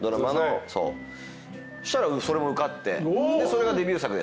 そしたらそれも受かってそれがデビュー作でしたね。